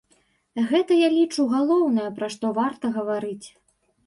Гэта, я лічу, галоўнае, пра што варта гаварыць.